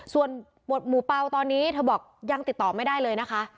ส่วนหมูเป่าตอนนี้เธอบอกยังติดต่อไม่ได้เลยนะคะ